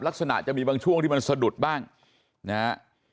ลักษณะจะมีบางช่วงที่มันสะดุดบ้างนะฮะ